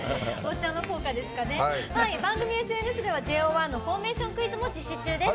番組ＳＮＳではＪＯ１のフォーメーションクイズ実施中です。